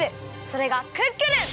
それがクックルン！